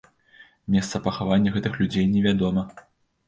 Месца пахавання гэтых людзей невядома.